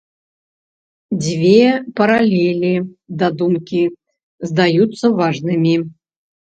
Дзве паралелі да думкі здаюцца важнымі.